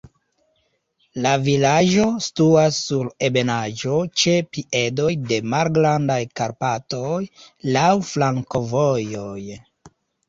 La vilaĝo situas sur ebenaĵo ĉe piedoj de Malgrandaj Karpatoj, laŭ flankovojoj.